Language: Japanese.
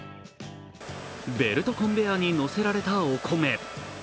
ベルトコンベアに乗せられたお米。